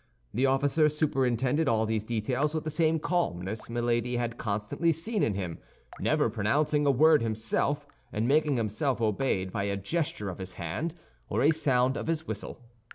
The officer superintended all these details with the same calmness Milady had constantly seen in him, never pronouncing a word himself, and making himself obeyed by a gesture of his hand or a sound of his whistle.